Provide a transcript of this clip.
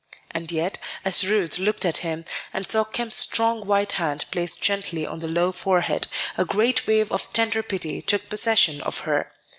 And yet, as Ruth looked at him, and saw Kemp's strong white hand placed gently on the low forehead, a great wave of tender pity took possession of her.